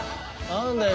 何だよ